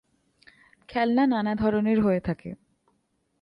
খেলনা নানা ধরণের হয়ে থাকে।